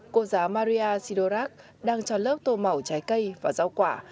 cô giáo maria sidorak đang cho lớp tô màu trái cây và rau quả